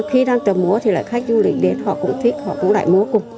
khi đang tập múa thì là khách du lịch đến họ cũng thích họ cũng đại múa cùng